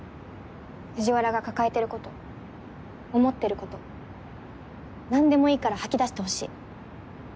藤原が抱えてること思ってること何でもいいから吐き出してほしい。